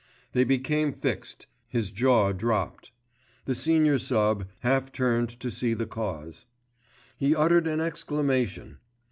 They became fixed, his jaw dropped. The senior sub. half turned to see the cause. He uttered an exclamation!